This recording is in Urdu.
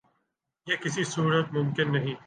یہ کسی صورت ممکن نہیں ہے